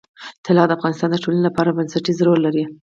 طلا د افغانستان د ټولنې لپاره بنسټيز رول لري.